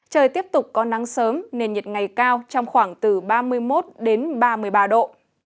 trời tiếp tục có nắng sớm nền nhiệt ngày cao trong khoảng từ ba mươi một ba mươi ba độ